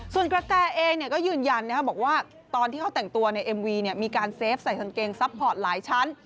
ส่วนกระแตเองก็ยืนยันบอกว่าตอนที่เขาแต่งตัวในเอ็มวีมีการเซฟใส่กางเกงซัพพอร์ตหลายชั้น